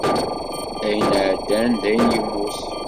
Ayen iɛeddan d ayen yemmut.